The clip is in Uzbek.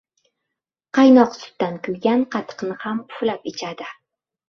• Qaynoq sutdan kuygan qatiqni ham puflab ichadi.